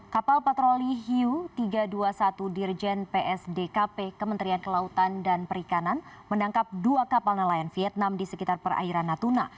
kapal patroli hiu tiga ratus dua puluh satu dirjen psdkp kementerian kelautan dan perikanan menangkap dua kapal nelayan vietnam di sekitar perairan natuna